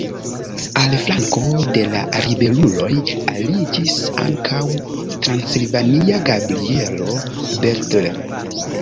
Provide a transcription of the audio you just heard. Al flanko de la ribeluloj aliĝis ankaŭ transilvania Gabrielo Bethlen.